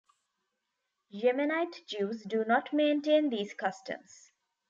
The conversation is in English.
Yemenite Jews do not maintain these customs.